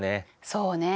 そうね。